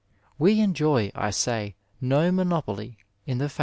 We enjoy, I say, no monopoly in the faith ▲K.